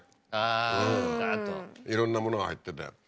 うんいろんなものが入ってて。